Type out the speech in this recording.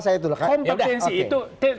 selalu melekat dengan integritas